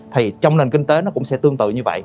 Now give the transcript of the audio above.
thì trong nền kinh tế nó cũng sẽ tương tự như vậy